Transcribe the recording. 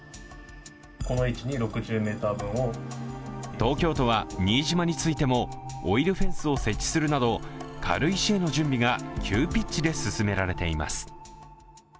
東京都は新島についてもオイルフェンスを設置するなど、軽石への準備が急ピッチで進められています。